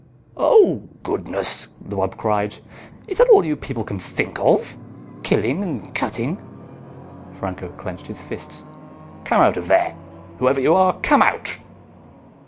"Oh, goodness!" the wub cried. "Is that all you people can think of, killing and cutting?" Franco clenched his fists. "Come out of there! Whoever you are, come out!"